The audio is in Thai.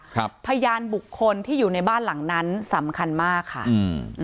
พยานบุคคลที่อยู่ในบ้านหลังนั้นสำคัญมากค่ะอืม